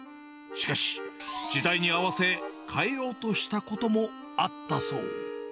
しかし、時代に合わせ、変えようとしたこともあったそう。